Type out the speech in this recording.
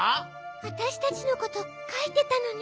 わたしたちのことかいてたのね。